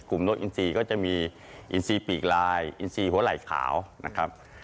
กลุ่มนกอินทรีย์ก็จะมีอินทรีย์ปีกลายอินทรีย์หัวไหล่ขาวนะครับ